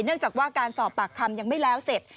เนื่องจากว่าการสอบปากคำยังไม่แล้วเสร็จ